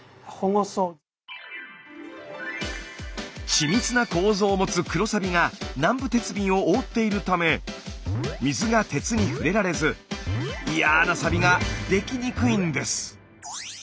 緻密な構造を持つ黒サビが南部鉄瓶を覆っているため水が鉄に触れられずいやなサビができにくいんです。